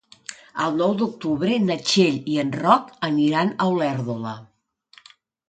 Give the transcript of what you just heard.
El nou d'octubre na Txell i en Roc aniran a Olèrdola.